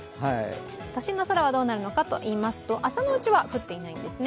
都心の空はどうなるのかといいますと朝のうちは降っていないんですね。